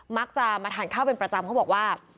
มักจะมาทานข้าวเป็นประจำเขาบอกว่า